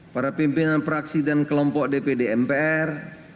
para pimpinan praksi dan kelompok dpd mpr